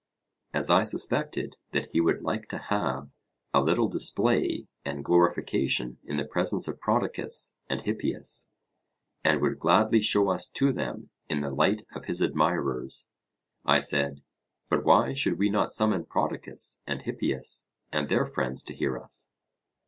As I suspected that he would like to have a little display and glorification in the presence of Prodicus and Hippias, and would gladly show us to them in the light of his admirers, I said: But why should we not summon Prodicus and Hippias and their friends to hear us?